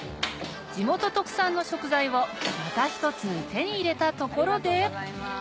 地元特産の食材をまた一つ手に入れたところで